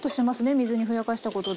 水にふやかしたことで。